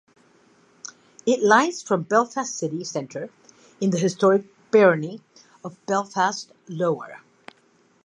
It lies from Belfast city centre in the historic barony of Belfast Lower.